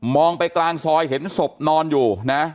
มองไปกลางซอยเห็นสบนอนอยู่